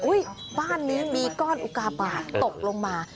บ้านนี้มีก้อนอุกาบาทตกลงมา